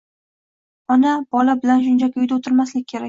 ona bola bilan shunchaki “uyda o‘tirmaslik” kerak